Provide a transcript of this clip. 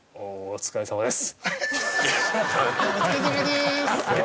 お疲れさまです